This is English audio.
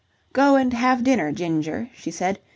"Go and have dinner, Ginger," she said.